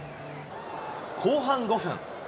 後半５分。